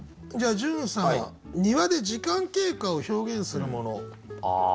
じゃあ潤さん庭で時間経過を表現するもの。